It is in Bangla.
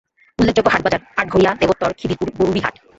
উল্লেখযোগ্য হাটবাজার: আটঘরিয়া, দেবোত্তর, খিদিরপুর, গরুরী হাট।